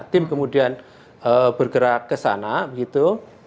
tim kemudian bergerak kesana gitu